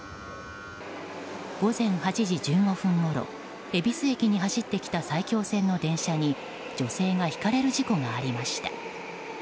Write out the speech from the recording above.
午前８時１５分ごろ恵比寿駅に走ってきた埼京線の電車に女性がひかれる事故がありました。